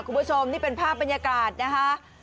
คุณผู้ชมนี่เป็นภาพบรรยากาศนะคะ